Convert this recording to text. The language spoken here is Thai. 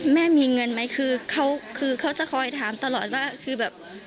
แม่มีเงินไหมคือเขาคือเขาจะคอยถามตลอดว่าคือแบบ